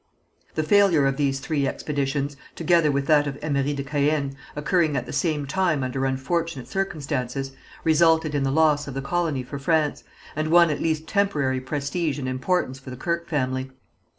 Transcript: The failure of these three expeditions, together with that of Emery de Caën, occurring at the same time under unfortunate circumstances, resulted in the loss of the colony for France, and won at least temporary prestige and importance for the Kirke family.